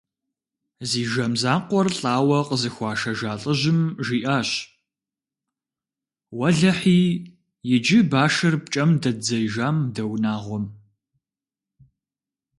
Зи жэм закъуэр лӀауэ къызыхуашэжа лӀыжьым жиӀащ: «Уэлэхьи, иджы башыр пкӀэм дэддзеижам дэ унагъуэм».